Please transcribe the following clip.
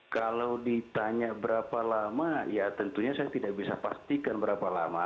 kalau ditanya berapa lama ya tentunya saya tidak bisa pastikan berapa lama